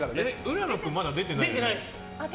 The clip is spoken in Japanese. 浦野君まだ出てないよね。